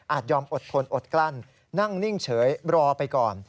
ยอมอดทนอดกลั้นนั่งนิ่งเฉยรอไปก่อน